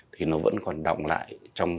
thì nó vẫn còn động lại